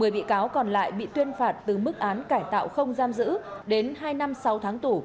một mươi bị cáo còn lại bị tuyên phạt từ mức án cải tạo không giam giữ đến hai năm sáu tháng tù